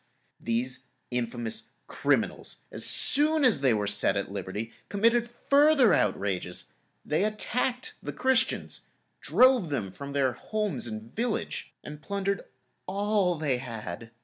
These infamous criminals, as soon as they were set at liberty, committed further outrages; they attacked the Christians, drove them from their homes and village, and plundered all they had.